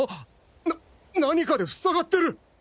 な何かでふさがってる！